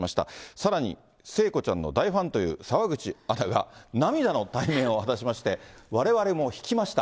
さらに、聖子ちゃんの大ファンという澤口アナが、涙の対面を果たしまして、われわれも引きました。